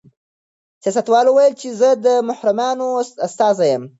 سیاستوال وویل چې زه د محرومانو استازی یم.